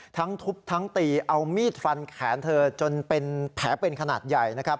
ทั้งทุบทั้งตีเอามีดฟันแขนเธอจนแผลเป็นขนาดใหญ่